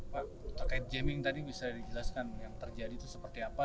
pak terkait jaming tadi bisa dijelaskan yang terjadi itu seperti apa